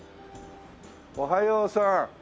おはようさん。